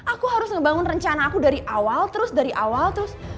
aku harus ngebangun rencana aku dari awal terus dari awal terus